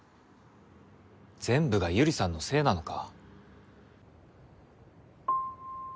全部が百合さんのせいなのか？